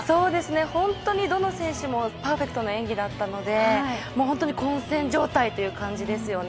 本当にどの選手もパーフェクトな演技だったので本当に混戦状態という感じですよね。